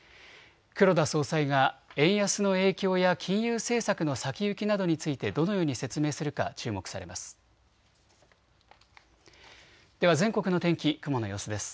黒田総裁が円安の影響や金融政策の先行きなどについてどのように説明するか注目されます。